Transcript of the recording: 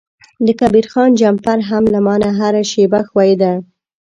د کبیر خان جمپر هم له ما نه هره شیبه ښویده.